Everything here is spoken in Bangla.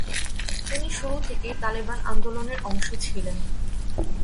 তিনি শুরু থেকেই তালেবান আন্দোলনের অংশ ছিলেন।